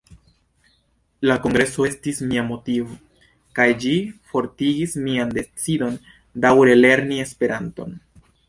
La kongreso estis mia motivo, kaj ĝi fortigis mian decidon daǔre lerni Esperanton.